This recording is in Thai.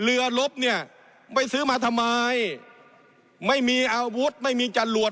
ลบเนี่ยไม่ซื้อมาทำไมไม่มีอาวุธไม่มีจรวด